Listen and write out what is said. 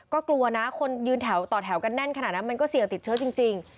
ก็กลัวนะคนยืนแถวต่อแถวกันแน่นขนาดนั้นมันก็เสี่ยงติดเชื้อจริง